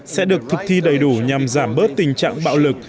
sẽ được thực thi đầy đủ nhằm giảm bớt tình trạng bạo lực